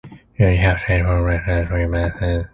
Nearly half stayed for less than three months.